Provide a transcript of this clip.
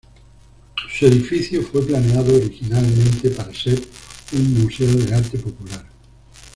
Su edificio fue planeado originalmente para ser un museo de arte popular.